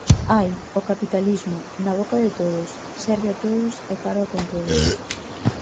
Ai, o capitalismo, na boca de todos, serve a todos e carga con todo.